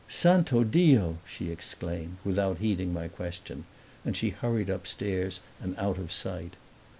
"Santo Dio!" she exclaimed, without heeding my question; and she hurried upstairs and out of sight.